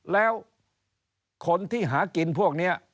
แล้วคนที่หากินพวกนี้